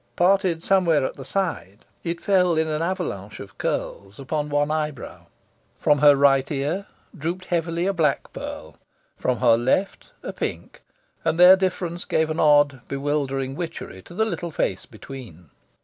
Parted somewhere at the side, it fell in an avalanche of curls upon one eyebrow. From her right ear drooped heavily a black pearl, from her left a pink; and their difference gave an odd, bewildering witchery to the little face between.